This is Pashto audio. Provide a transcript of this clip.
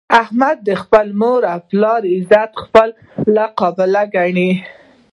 احمد د خپلې مور او پلار عزت خپله قبله ګڼي.